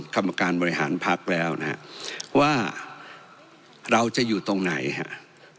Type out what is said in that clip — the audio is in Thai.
กรรมการบริหารพักแล้วนะฮะว่าเราจะอยู่ตรงไหนฮะ